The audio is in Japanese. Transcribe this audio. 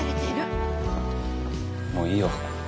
もういいよ。